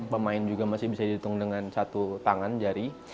pemain juga masih bisa dihitung dengan satu tangan jari